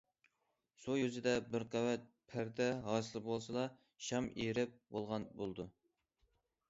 سۇ يۈزىدە بىر قەۋەت پەردە ھاسىل بولسىلا، شام ئېرىپ بولغان بولىدۇ.